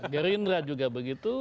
gerindra juga begitu